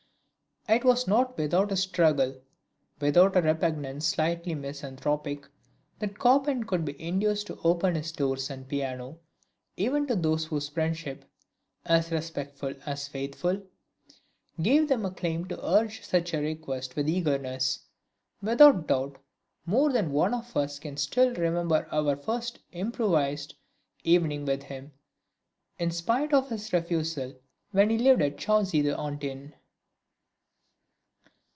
It was not without a struggle, without a repugnance slightly misanthropic, that Chopin could be induced to open his doors and piano, even to those whose friendship, as respectful as faithful, gave them a claim to urge such a request with eagerness. Without doubt more than one of us can still remember our first improvised evening with him, in spite of his refusal, when he lived at Chaussee d'Antin.